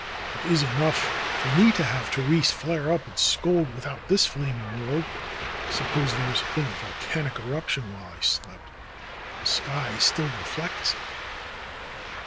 It is enough for me to have Therese flare up and scold without THE ROSE COLORED WORLD S this flaming world. I suppose there has been a volcanic eruption while I slept. The sky still reflects it."